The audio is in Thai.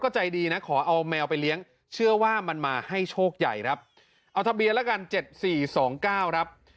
เจ้าเหมียวครับ